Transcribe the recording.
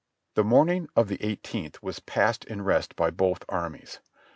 The morning of the eighteenth was passed in re^ by both armies.